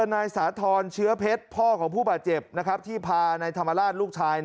นายสาธรณ์เชื้อเพชรพ่อของผู้บาดเจ็บที่พานายธรรมราชลูกชาย